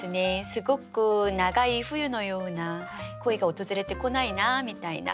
すごく永い冬のような恋が訪れてこないなみたいな。